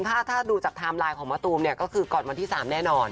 ถ้าดูจากไทม์ไลน์ของมะตูมเนี่ยก็คือก่อนวันที่๓แน่นอน